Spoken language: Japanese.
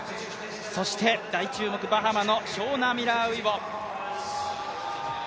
そして大注目、バハマのショウナ・ミラーウイボ。